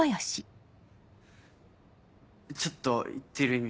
ちょっと言ってる意味が。